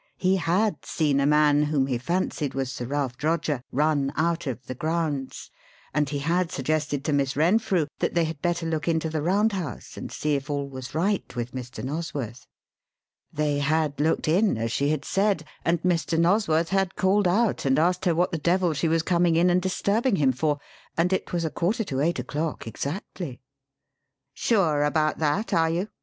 He had seen a man whom he fancied was Sir Ralph Droger run out of the grounds, and he had suggested to Miss Renfrew that they had better look into the Round House and see if all was right with Mr. Nosworth. They had looked in as she had said; and Mr. Nosworth had called out and asked her what the devil she was coming in and disturbing him for, and it was a quarter to eight o'clock exactly. "Sure about that, are you?"